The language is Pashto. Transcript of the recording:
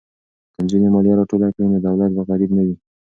که نجونې مالیه راټوله کړي نو دولت به غریب نه وي.